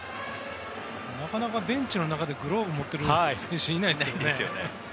なかなかベンチの中でグローブを持っている選手はいないですけどね。